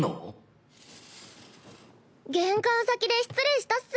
玄関先で失礼したっス。